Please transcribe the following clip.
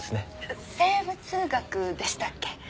生物学でしたっけ？